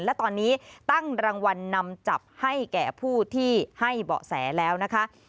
และตอนนี้ตั้งรางวัลนำจับให้แก่ผู้ที่ให้เบาะแสแล้วนะคะ